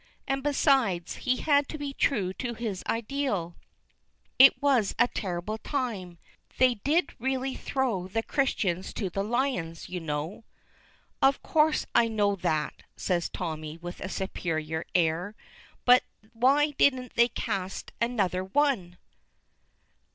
And besides, he had to be true to his ideal. It was a terrible time. They did really throw the Christians to the lions, you know." "Of course I know that," says Tommy with a superior air. "But why didn't they cast another one?"